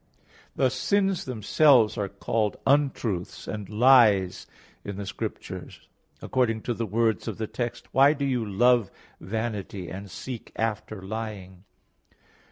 Thus sins themselves are called untruths and lies in the Scriptures, according to the words of the text, "Why do you love vanity, and seek after lying?"